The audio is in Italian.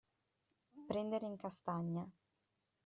Prendere in castagna.